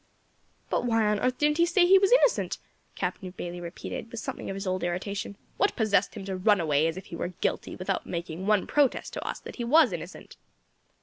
"But why on earth didn't he say he was innocent?" Captain Bayley repeated, with something of his old irritation. "What possessed him to run away as if he were guilty without making one protest to us that he was innocent?"